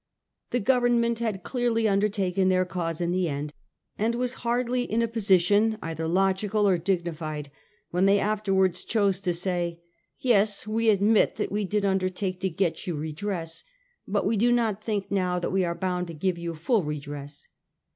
The Government had clearly undertaken their cause in the end, and were hardly in a position, either logical or dignified, when they afterwards chose to say, 'Yes, we admit that we did undertake to get you redress, but we do not think now that we are bound to give you full redress.